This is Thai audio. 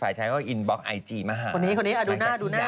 ไฟล์ไทยเขาก็อินบล็อกไอจีมาหา